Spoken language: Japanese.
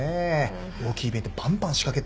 大きいイベントバンバン仕掛けて。